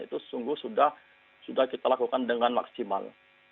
itu sungguh sudah kita lakukan dengan maksimal